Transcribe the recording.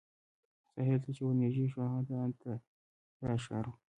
ساحل ته چې ورنژدې شوو، هغه د انترا ښار وو.